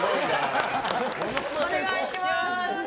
お願いします！